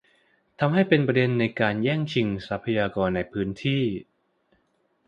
ทำให้เป็นประเด็นการแย่งชิงทรัพยากรในพื้นที่